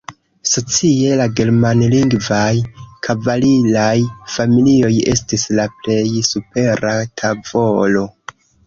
Socie la germanlingvaj kavaliraj familioj estis la plej supera tavolo.